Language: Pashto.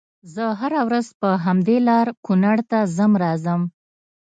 زه هره ورځ په همدې لار کونړ ته ځم راځم